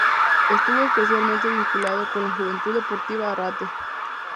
Estuvo especialmente vinculado con la Juventud Deportiva Arrate.